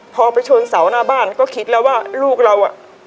พอไปชนเสาหน้าบ้านก็คิดแล้วว่าลูกเราอ่ะ